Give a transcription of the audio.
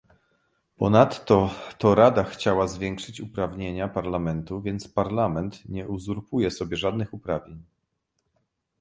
Ponadto to Rada chciała zwiększyć uprawnienia Parlamentu, więc Parlament nie uzurpuje sobie żadnych uprawnień